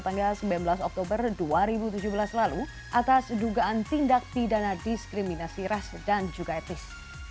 pada sembilan belas oktober dua ribu tujuh belas lalu atas dugaan tindak pidana diskriminasi ras dan juga etis